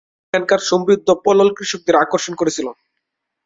এখানকার সমৃদ্ধ পলল কৃষকদের আকর্ষণ করেছিল।